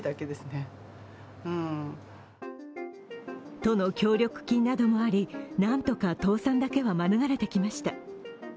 都の協力金などもありなんとか倒産だけは免れてきました。